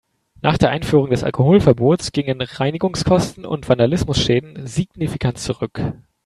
Nach der Einführung des Alkoholverbots gingen Reinigungskosten und Vandalismusschäden signifikant zurück.